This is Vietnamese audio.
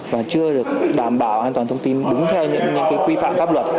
và chưa được đảm bảo an toàn thông tin đúng theo những cái quy phạm